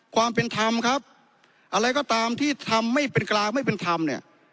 ความเป็นธรรมครับอะไรก็ตามที่ทำไม่เป็นกลางไม่เป็นธรรมเนี่ย